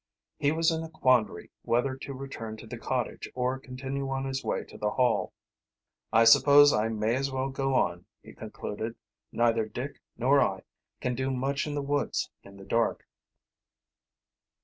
He was in a quandary whether to return to the cottage or continue on his way to the Hall. "I suppose I may as well go on," he concluded. "Neither Dick nor I can do much in the woods in the dark."